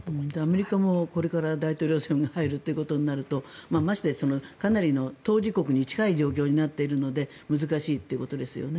アメリカもこれから大統領選があるとなるとましてやかなりの当事国に近い状況になっているので難しいということですよね。